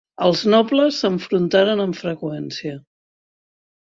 Els nobles s'enfrontaren amb freqüència.